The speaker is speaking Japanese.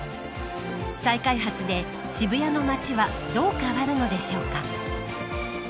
再開発で渋谷の街はどう変わるのでしょうか。